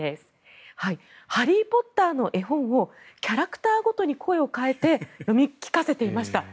「ハリー・ポッター」の絵本をキャラクターごとに声を変えて読み聞かせていました。